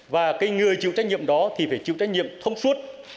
và cái người chịu trách nhiệm đó thì phải chịu trách nhiệm thông suốt